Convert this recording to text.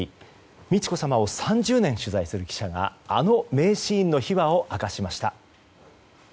美智子さまを３０年取材する記者があの名シーンの秘話を明かしました。